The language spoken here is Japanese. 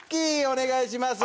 お願いします。